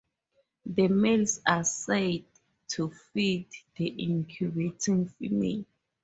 The males are said to feed the incubating female.